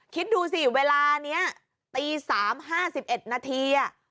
คิดดูสิเวลานี้ตี๓๕๑นาที